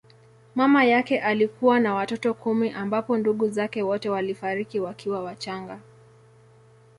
Mama yake alikuwa na watoto kumi ambapo ndugu zake wote walifariki wakiwa wachanga.